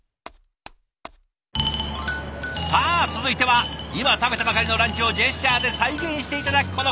さあ続いては今食べたばかりのランチをジェスチャーで再現して頂く